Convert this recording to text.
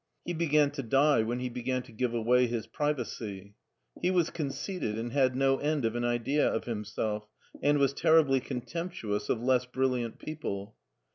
He began to die when he began to give away his privacy. He was conceited and had no end of an idea of himself, and was terribly contemptuous of less brilliant people.